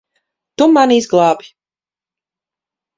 Tu mani izglābi.